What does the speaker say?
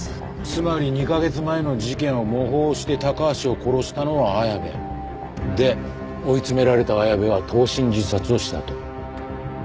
つまり２カ月前の事件を模倣して高橋を殺したのは綾部。で追い詰められた綾部は投身自殺をしたと。